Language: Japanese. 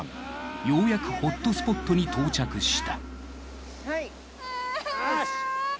ようやくホットスポットに到着した。